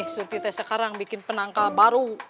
surti teh sekarang bikin penangkal baru